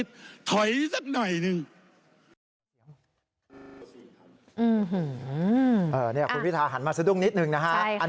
ผมโทษไปผมโทษครับโทษว่าทำไปอ่ะ